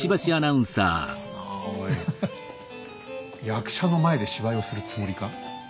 役者の前で芝居をするつもりか？